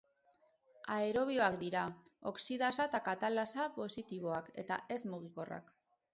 Aerobioak dira, oxidasa eta katalasa positiboak eta ez- mugikorrak.